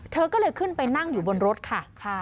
เธอก็เลยขึ้นไปนั่งอยู่บนรถค่ะ